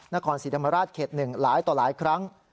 นครศรีธรรมราชเขต๑หลายต่อหลายครั้ง